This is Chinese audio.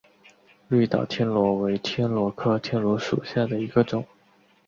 绿岛天螺为天螺科天螺属下的一个种。